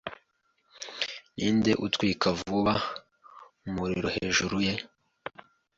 Ninde utwika vuba umuriro hejuru ye